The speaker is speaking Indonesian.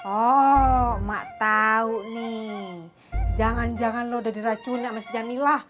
oh emak tau nih jangan jangan lo udah diracunin sama si jamila